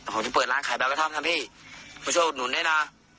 ผมจะเปิดร้านขายใบกระท่อมนะพี่มาช่วยอุดหนุนด้วยนะ